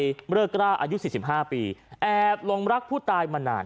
เริกร้าอายุ๔๕ปีแอบลงรักผู้ตายมานาน